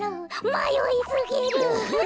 まよいすぎる。